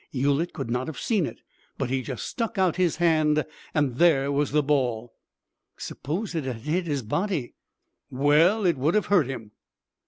Ulyett could not have seen it, but he just stuck out his hand and there was the ball." "Suppose it had hit his body?" "Well, it would have hurt him."